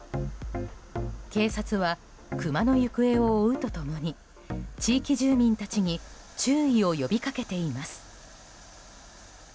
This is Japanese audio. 警察はクマの行方を追うと共に地域住民たちに注意を呼びかけています。